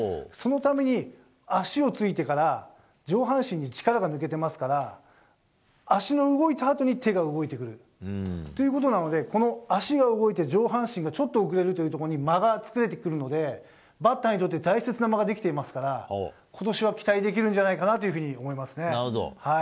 そのために、足をついてから上半身の力が抜けていますから足の動いたあとに手が動いてくるということなのでこの足が動いて上半身がちょっと遅れるということで間が作れてきているのでバッターにとって大切な間ができていますから今年は期待できるんじゃないかなと思います。